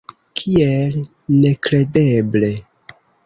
Kiel nekredeble!